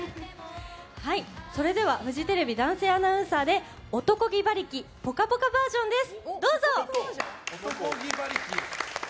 それではフジテレビ男性アナウンサーで「漢気馬力ぽかぽかｖｅｒ．」です。